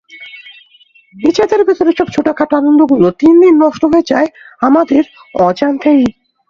নিজেদের ভেতর এসব ছোটখাটো আনন্দগুলো দিন দিন নষ্ট হয়ে যায় আমাদের অজান্তেই।